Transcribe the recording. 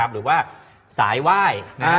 หรือว่าสายว่าย